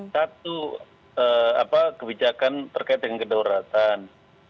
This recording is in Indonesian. satu kebijakan terkait dengan kedaulatan